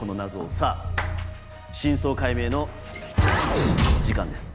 さぁ真相解明の時間です。